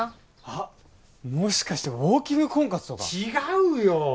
あっもしかしてウォーキング婚活とか違うよ